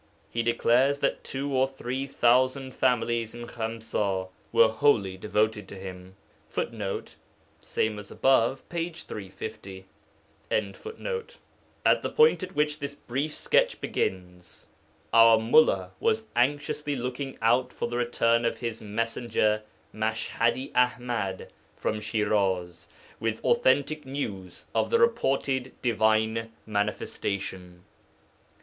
He declares that two or three thousand families in Khamsa were wholly devoted to him. [Footnote: Ibid. p. 350.] At the point at which this brief sketch begins, our mullā was anxiously looking out for the return of his messenger Mash hadi Aḥmad from Shiraz with authentic news of the reported Divine Manifestation.